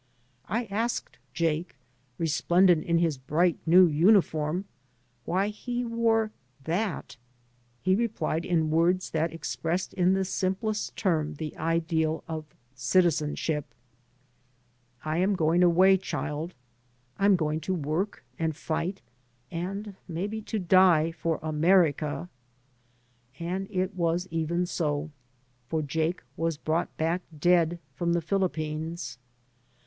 I asked Jake, resplendent in his bright new uniform why he wore " that." He replied in words that expressed in the simplest terms the ideal of citizenship :" I'm going away, childie. I'm going to work and fight and maybe to die for C5>] 3 by Google MY MOTHER AND I America." And it was even so; for Jake was brought back dead from the Philippines.